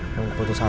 membukau putus rasa